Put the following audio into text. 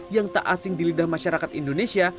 yang tak asing di lidah masyarakat indonesia